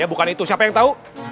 bukan itu siapa yang tahu